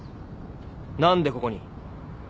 何でここに？